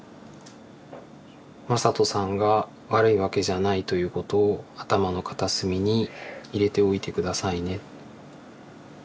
「まさとさんが悪いわけじゃないということを頭の片隅に入れておいてくださいね」。